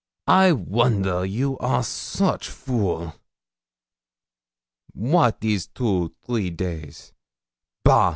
'I wonder you are soche fool. What is two, three days? Bah!